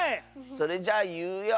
それじゃいうよ！